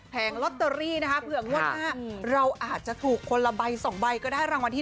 ลอตเตอรี่นะคะเผื่องวดหน้าเราอาจจะถูกคนละใบ๒ใบก็ได้รางวัลที่๑